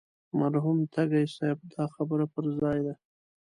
مرحوم تږي صاحب دا خبره پر ځای ده.